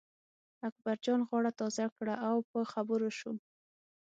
اکبرجان غاړه تازه کړه او په خبرو شو.